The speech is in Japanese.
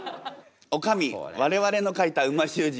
おかみ我々の書いた美味しゅう字